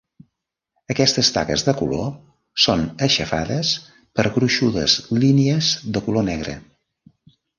Aquestes taques de color són aixafades per gruixudes línies de color negre.